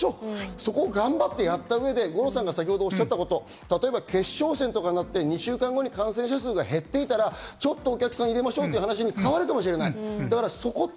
そこを頑張ってやった上で決勝戦とかになって、２週間後に感染者数が減っていたら、ちょっとお客さん入れましょうという話に変わるかもしれない。